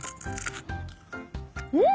うん！